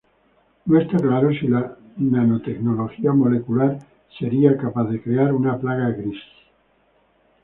No está claro si la nanotecnología molecular sería capaz de crear una plaga gris.